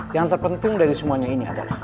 yang terpenting dari semuanya ini adalah